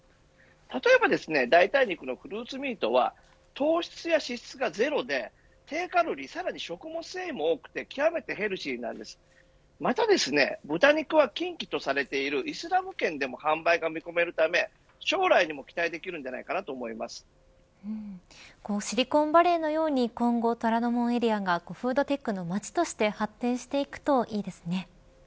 例えば代替肉のフルーツミートは糖質や脂質がゼロで低カロリーでかつ食物繊維も多く極めてヘルシーですまた、豚肉は禁忌とされているイスラム圏でも販売が見込めるため将来にも期待がシリコンバレーのように今後虎ノ門エリアがフードテックの街として発展していくといいですね。